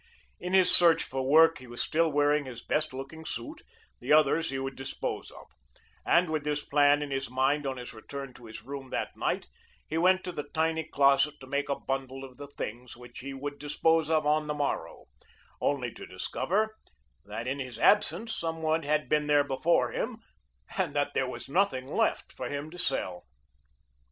In his search for work he was still wearing his best looking suit; the others he would dispose of; and with this plan in his mind on his return to his room that night he went to the tiny closet to make a bundle of the things which he would dispose of on the morrow, only to discover that in his absence some one had been there before him, and that there was nothing left for him to sell.